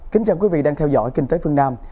kính chào quý vị đang theo dõi kinh tế phương nam